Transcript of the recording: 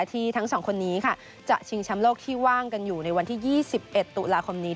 ที่ทั้งสองคนนี้ค่ะจะชิงแชมป์โลกที่ว่างกันอยู่ในวันที่๒๑ตุลาคมนี้